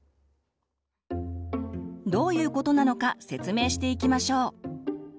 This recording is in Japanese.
どういうことなのか説明していきましょう。